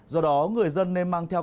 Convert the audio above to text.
do đó người dân nên mang theo